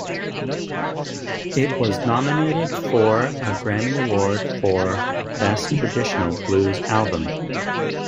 It was nominated for a Grammy Award for Best Traditional Blues Album.